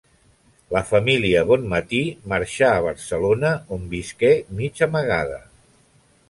La família Bonmatí marxà a Barcelona, on visqué mig amagada.